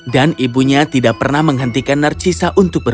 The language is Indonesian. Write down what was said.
dan ibunya tidak pernah menghentikan narcisa